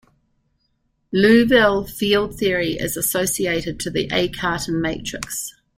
Liouville field theory is associated to the A Cartan matrix.